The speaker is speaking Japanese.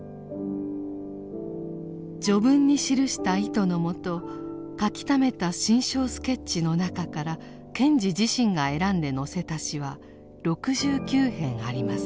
序文に記した意図のもと書きためた「心象スケッチ」の中から賢治自身が選んで載せた詩は６９編あります。